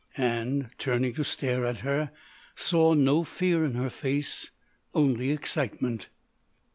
And, turning to stare at her, saw no fear in her face, only excitement.